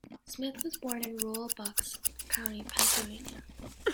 Smith was born in rural Bucks County, Pennsylvania.